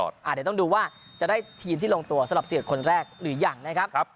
เดี๋ยวต้องดูว่าจะได้ทีมที่ลงตัวสำหรับ๑๑คนแรกหรือยังนะครับ